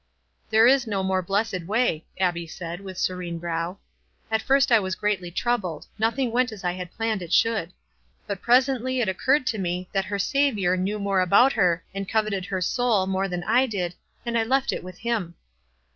"There is no more blessed way," Abbie said, with serene brow. " At first I was greatly trou bled — nothing went as I had planned it should ; but presently it occurred to me that her Saviour knew more about her, and coveted her soul more than I did, and I left it with him."